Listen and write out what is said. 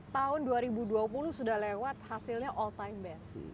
tahun dua ribu dua puluh sudah lewat hasilnya all time base